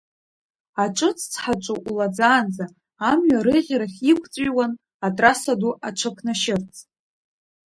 Аҿыц цҳаҿы улаӡаанӡа, амҩа арыӷьарахь иқәҵәиуан, атрасса ду аҽаԥнашьырц.